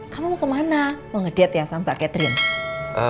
kamu mau kemana mau ngedet ya sama pak catherine